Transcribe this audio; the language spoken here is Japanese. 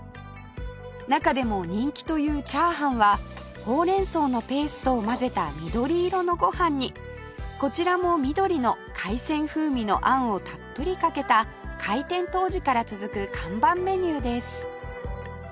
中でも人気というチャーハンはほうれん草のペーストを混ぜた緑色のご飯にこちらも緑の海鮮風味の餡をたっぷりかけた開店当時から続く看板メニューです